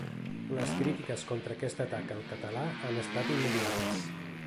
Les crítiques contra aquest atac al català han estat immediates.